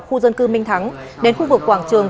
khu dân cư minh thắng đến khu vực quảng trường